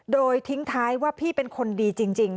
โดยทิ้งท้ายว่าพี่เป็นคนดีจริง